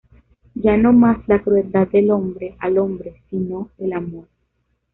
Ya no mas la crueldad del hombre al hombre, si no el amor.